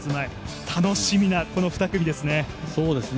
楽しみなこの２組ですね。